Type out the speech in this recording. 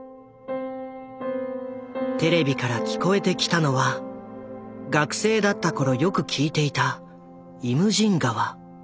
テレビから聞こえてきたのは学生だったころよく聴いていた「イムジン河」。